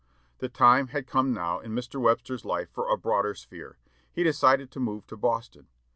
The time had come now in Mr. Webster's life for a broader sphere; he decided to move to Boston.